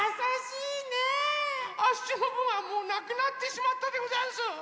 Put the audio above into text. あっしのぶんはもうなくなってしまったでござんす！